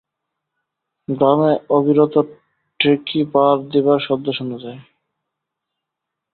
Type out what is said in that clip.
গ্রামে অবিরত টেকি পাড় দিবার শব্দ শোনা যায়।